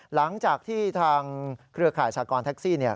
หลังจากที่ทางเครือข่ายสากรแท็กซี่